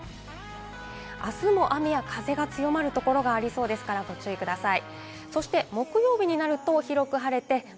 明日も雨や風が強まる所がありそうですから、ご注意ください。